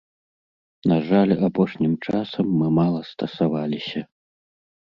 На жаль, апошнім часам мы мала стасаваліся.